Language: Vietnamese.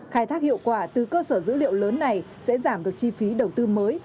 khai thác hiệu quả từ cơ sở dữ liệu lớn này sẽ giảm được chi phí đầu tư mới